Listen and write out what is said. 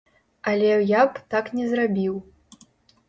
Але я б так не зрабіў.